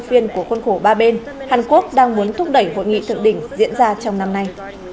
phiên của khuôn khổ ba bên hàn quốc đang muốn thúc đẩy hội nghị thượng đỉnh diễn ra trong năm nay